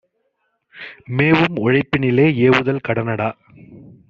மேவும் உழைப்பினிலே ஏவுதல் கடனா?